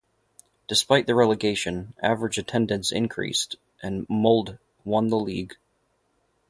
Despite the relegation, average attendance increased, and Molde won the league.